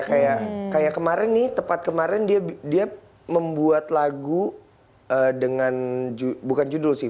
kayak kemarin nih tepat kemarin dia membuat lagu dengan bukan judul sih